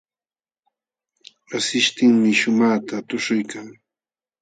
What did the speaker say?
Asishtinmi shumaqta tuśhuykan.